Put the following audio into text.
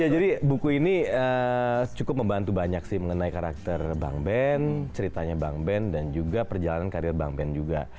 ya jadi buku ini cukup membantu banyak sih mengenai karakter bang ben ceritanya bang ben dan juga perjalanan karir bang ben juga